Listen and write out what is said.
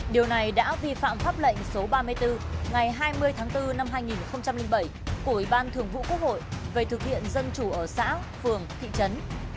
điều này đã vi phạm pháp lệnh số ba mươi bốn ngày hai mươi tháng bốn năm hai nghìn bảy của ủy ban thường vụ quốc hội về thực hiện dân chủ ở xã phường thị trấn